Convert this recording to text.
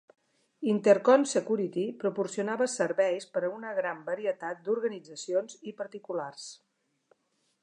Intercon Security proporcionava serveis per a una gran varietat d'organitzacions i particulars.